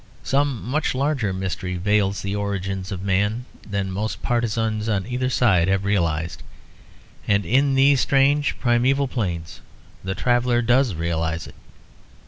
Some much larger mystery veils the origins of man than most partisans on either side have realised; and in these strange primeval plains the traveller does realise it.